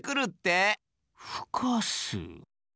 ふかす？